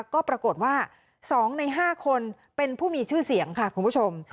ก็ปรากฏว่า๒ใน๕คนเป็นผู้มีชื่อเสียงค่ะคุณผู้ชม